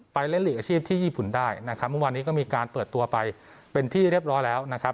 เล่นหลีกอาชีพที่ญี่ปุ่นได้นะครับเมื่อวานนี้ก็มีการเปิดตัวไปเป็นที่เรียบร้อยแล้วนะครับ